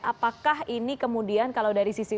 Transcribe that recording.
apakah ini kemudian kalau dari sisi